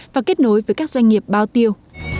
và kết nối với các doanh nghiệp bao tiêu